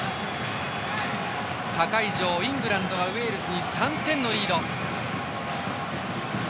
他会場、イングランドはウェールズに３点のリード。